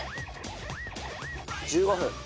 １５分。